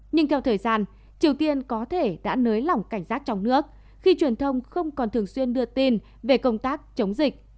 nhưng theo thời gian triều tiên có thể đã nới lỏng cảnh giác trong nước khi truyền thông không còn thường xuyên đưa tin về công tác chống dịch